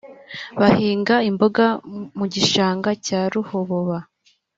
bahinga imboga mu gishanga cya Ruhoboba